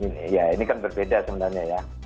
nah ini kan berbeda sebenarnya ya